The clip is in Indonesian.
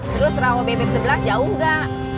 terus rawa bebek sebelah jauh enggak